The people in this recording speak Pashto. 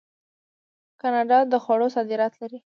کاناډا د خوړو صادرات لري.